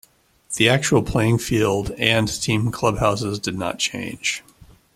The actual playing field and team clubhouses did not change.